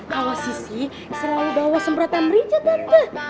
kalo sissy selalu bawa semprotan rincah tante